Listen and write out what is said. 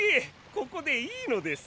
ここでいいのです。